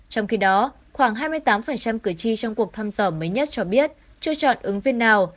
trong khi đó khoảng hai mươi tám cử tri trong cuộc thăm dò mới nhất cho biết chưa chọn ứng viên nào